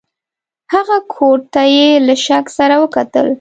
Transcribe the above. هغه کوټ ته یې له شک سره وکتل.